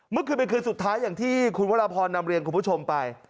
เมื่อคืนเป็นคืนสุดท้ายอย่างที่คุณวรพรนำเรียนคุณผู้ชมไป